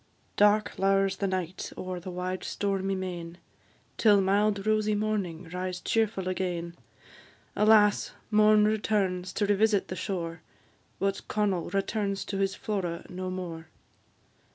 Dark lowers the night o'er the wide stormy main, Till mild rosy morning rise cheerful again; Alas! morn returns to revisit the shore, But Connel returns to his Flora no more.